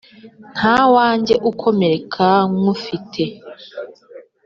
Ntawanjye ukomereka nywufite.